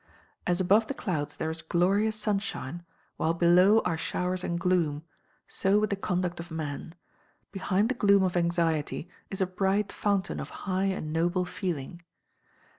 As above the clouds there is glorious sunshine, while below are showers and gloom, so with the conduct of man behind the gloom of anxiety is a bright fountain of high and noble feeling.